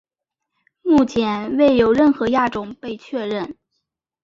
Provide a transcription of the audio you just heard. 目前未有任何亚种被确认。